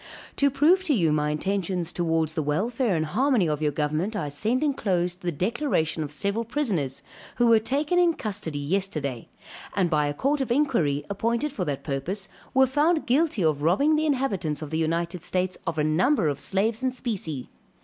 To prove to you my intentions towards the welfare and harmony of your government I send enclosed the declaration of several prisoners, who were taken in custody yesterday, and by a court of inquiry appointed for that purpose, were found guilty of robbing the inhabitants of the United States of a number of slaves and specie.